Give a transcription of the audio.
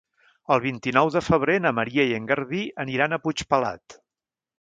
El vint-i-nou de febrer na Maria i en Garbí aniran a Puigpelat.